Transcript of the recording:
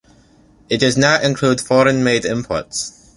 It does not include foreign-made imports.